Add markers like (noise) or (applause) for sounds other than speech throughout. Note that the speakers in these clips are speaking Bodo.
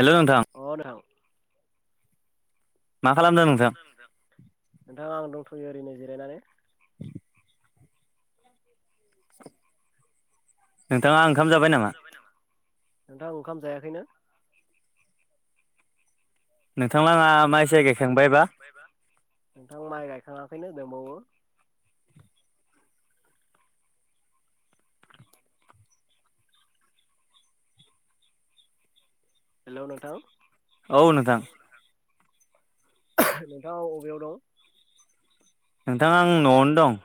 हेलौ नोंथां मा खालामनो नोंथां नोंथाङा आं दंथ'यो ओरैनो जिरायनानै (inaudible) नोंथाङा ओंखाम जाबाय नामा नोंथां ओंखाम जायाखैनो नोंथांलाङा नोंथाङा माइसाय माइ साय गायखांबायबा नोंथां माइ गायखाङाखैनो दंबावो हेलौ नोंथां औ नोंथां नोंथाङा अबेयाव दं? नोंथां आं न'आवनो दं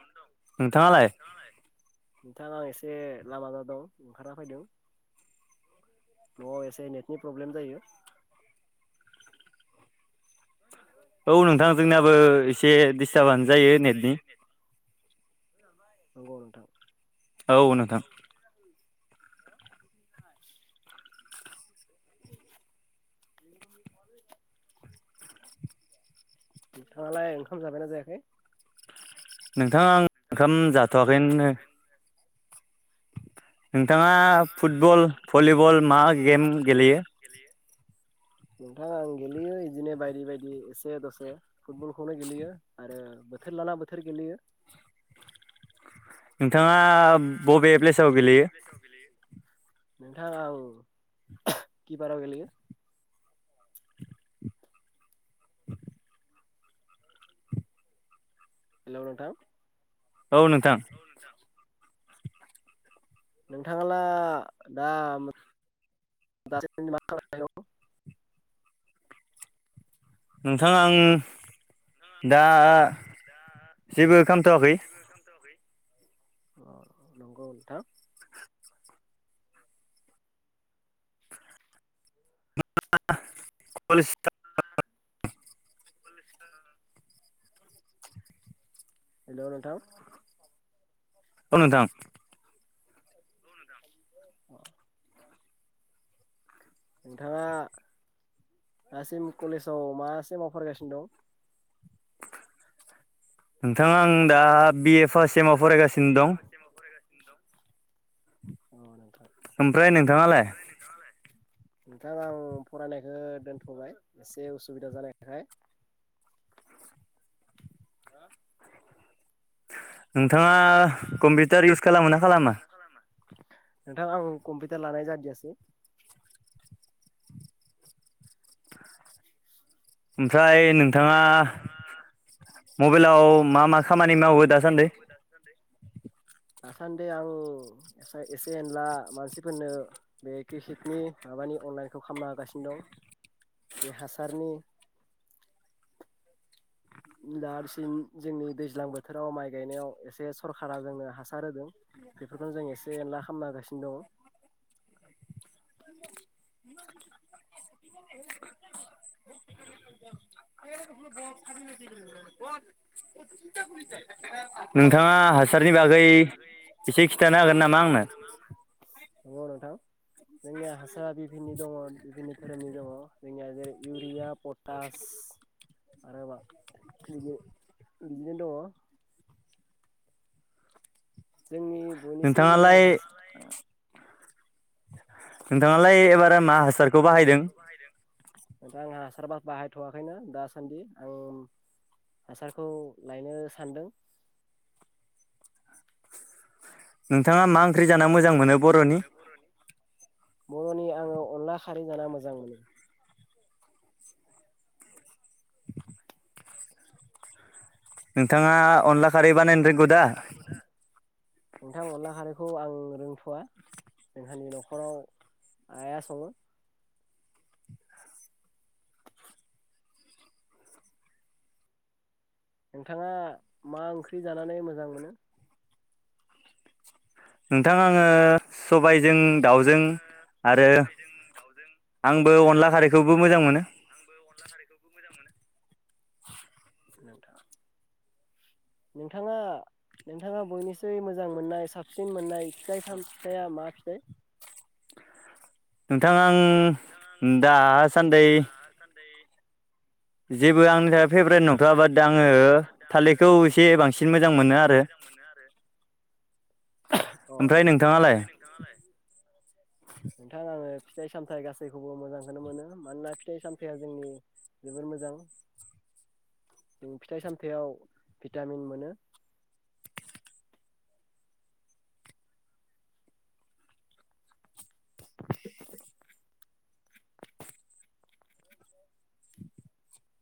नोंथाङालाय? नोंथां एसे लामायाव द दं ओंखारना फैदों न'आव एसे नेटनि प्रब्लेम जायो औ नोंथां जोंनियाबो एसे दिस्टार्बानो जायो नेटनि नंगौ नोंथां औ नोंथां औ (inaudible) नोंथाङालाय ओंखाम जाबायना जायाखै? नोंथाङा आं ओंखाम जाथ'वाखैनो नोंथाङा फुटबल भलिबल मा गेम गेलेयो नोंथाङा आं गेलेयो बिदिनो बायदि बायदि एसे दसे फुटबल खौनो गेलेयो आरो बोथोर लाना बोथोर गेलेयो (inaudible) नोंथाङा बबे प्लेस बबे प्लेसाव गेलेयो? नोंथां आं किपाराव गेलेयो (inaudible) हेलौ नोंथां औ नोंथां नोंथाङाब्ला दा मा खालाम नोंथाङ आं दा जेबो खालामथ'वाखै जेबो खालामथ'वाखै अ नंगौ नोंथां पलिस (unintelligible) हेल नोंथां अ नोंथां औ‌ नोंथां नोंथाङा दासिम कलेजाव मा सेमाव फरायगासिनो दं नोंथाङा आं दा बिए फार्स्ट सेमाव फरायगासिनो दं औ नोंथां ओमफ्राय नोंथाङा लाय नोंथां आं फरायनायखौ दोनथ'बाय एसे उसुबिदा जानायखाय (inaudible) हा नोंथाङा कम्पिउटार इउस खालामो ना खालामा नोंथां आं कम्पिउटार लानाय जादियासै ओमफ्राय नोंथाङा मबाइलाव मा मा खामानि मावो दासान्दि दासान्दि आं एसे एनला मानसिफोरनो बे किसिकनि माबानि अनलाइनखौ खालामना होगासिनो दं बे हासारनि दासिम जोंनि दैज्लां बोथोराव माइ गायनायाव एसे सरखारा जोंनो हासार होदों बेफोरखौनो जों एसे ना खालामना हागासिनो दङ (inaudible) (inaudible) नोंथाङा दङ हासारनि बागै एसे खिन्थानो हागोन नामा आंनो नंगौ नोंथां जोंनिया हासारा बिभिननि दङ बिभनि (inaudible) इउरिया पटास आरो बिज बिदिनो दङ जोंनि बयनिसुइ मोजां नोंथाङालाय हासारालाय नोंथाङालाय एबारा मा हासारखौ बाहायदों दा आं हासारबा बाहायथवाखैनो दासान्दि आं हासारखौ लायनो सानदों (inaudible) नोंथाङा मा ओंख्रि जाना मोजां मोनो बरनि बर'नि आङो अनला खारै जाना मोजां मोनो नोंथाङा अनला खारै बानायनो रोंगौ दा नोंथां अनला खारैखौ आं रोंथवा जोंहानि नखराव आइया सङो नोंथाङा मा ओंख्रि जानानै मोजां मोनो नोंथां आङो सबायजों दाउजों आरो आंबो अनला खारैखौबो मोजां मोनो आंबो अनला खारैखौबो मोजां मोनो नोंथाङा नोंथाङा नोंथाङा बयनिसै मोजां मोननाय साबसिन मोननाय फिथाइ साम फिथाइा मा फिथाइ नोंथां आं दासान्दि बिजे जेबो आंनि थाखाय फेभरेट नंथवा बाट आङो थालिरखौ एसे बांसिन मोजां मोनो आरो (inaudible) अ ओमफ्राय नोंथां नोंथाङालाय नोंथाङालाय नोंथां आङो फिथाइ सामथायाइ गासैखौबो मोजांखौनो मोनो मानोना फिथाइ सामथायया जोंनि जोबोर मोजां जों फिथाइ सामथायाव भिटामिन मोनो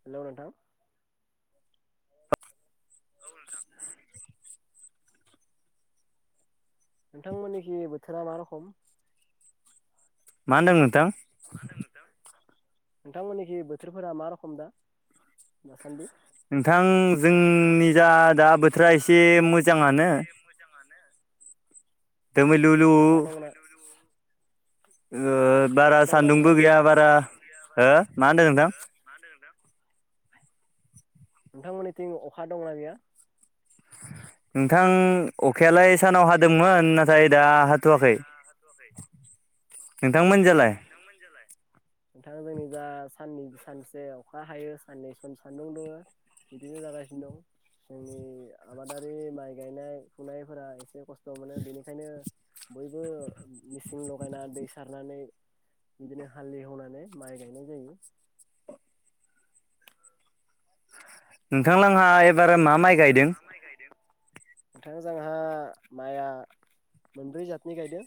हेलौ नोंथां औ नोथां नोंथांमोननिखि बोथोरा मा रखम मा होनदों नोंथां मा होनदों नोंथां नोंथांमोननिखि बोथोरफोरा मा रखम दा दासान्दि नोंथां जोंनि जा दा बोथोरा एसे मोजाङानो दोमैलुलु अखा दंना ओ बारा अखा दंना सान्दुंबो गैया बारा हो मा होनदों नोंथां नोंथांमोननिथिं अखा दंना गैया नोंथां अखायालाय सानाव हादोंमोन नाथाय दा हाथ'वाखै अ नोंथांमोनजालाय नोंथां जोंनिजा साननै सानसे अखा हायो साननै सन सान्दुं दुङो बिदिनो जागासिनो दं जोंनि आबादारि माइ गायनाय फुनायफोरा एसे खस्थ' मोनो बेनिखायनो बयबो मिसिं लगायना दै सारनानै (inaudible) बिदिनो हाल एवनानै माइ गायनाय जायो (inaudible) नोंथांलाहा एबार मा माइ गायदों नोंथां जोंहा माइआ मोनब्रै जाथनि गायदों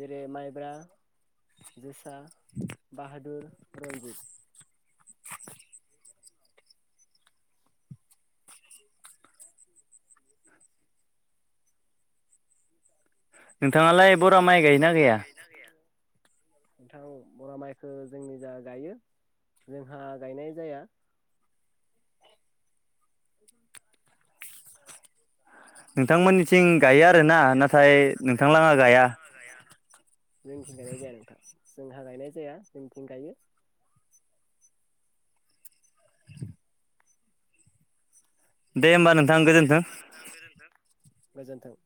जेरै माइब्रा जोस सा बाहादुर रनजित नोंथाङालाय बरा माइ गायोना गाया नोंथां बरा माइखो जोंनि जा गायो जोंहा गायनाय जाया (inaudible) (unintelligible) नोंथांमोननिथिं गायो आरोना नाथाय नोंथांलाङा गाया जोंथिं गायनाय जाया नोंथां जोंहा गायनाय जाया जोंथिं गायो दे होमबा नोंथां गोजोन्थों गोजोन्थों